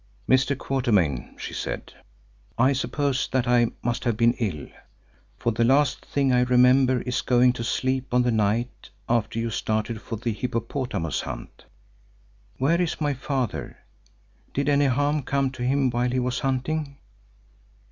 "Mr. Quatermain," she said, "I suppose that I must have been ill, for the last thing I remember is going to sleep on the night after you started for the hippopotamus hunt. Where is my father? Did any harm come to him while he was hunting?"